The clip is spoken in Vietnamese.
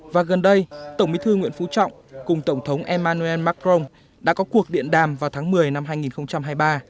và gần đây tổng bí thư nguyễn phú trọng cùng tổng thống emmanuel macron đã có cuộc điện đàm vào tháng một mươi năm hai nghìn hai mươi ba